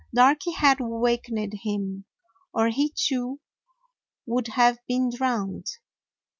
Darky had wakened him, or he too would have been drowned.